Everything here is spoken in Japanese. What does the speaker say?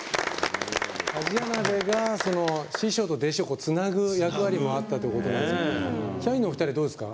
鍛冶屋鍋が師匠と弟子をつなぐ役割をあったということなんですけどもキャインのお二人どうですか。